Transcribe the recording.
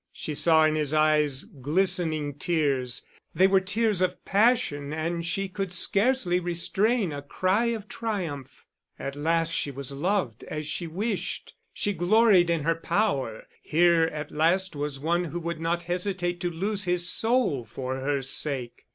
She saw in his eyes glistening tears they were tears of passion, and she could scarcely restrain a cry of triumph. At last she was loved as she wished, she gloried in her power: here at last was one who would not hesitate to lose his soul for her sake.